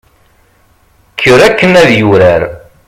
kker akken ad yurar